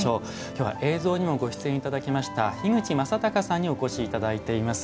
きょうは映像にもご出演いただきました樋口昌孝さんにお越しいただいています。